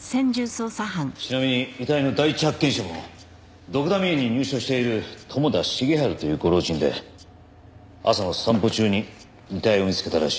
ちなみに遺体の第一発見者もドクダミ園に入所している友田重治というご老人で朝の散歩中に遺体を見つけたらしい。